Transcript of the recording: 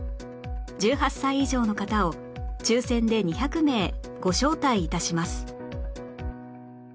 １８歳以上の方を抽選で２００名ご招待致します